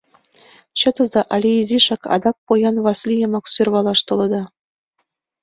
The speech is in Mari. Чытыза але изишак, адак поян Васлийымак сӧрвалаш толыда...»